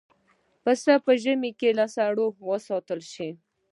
پسه په ژمي کې له سړو وساتل شي.